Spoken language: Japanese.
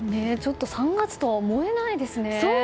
３月とは思えないですね。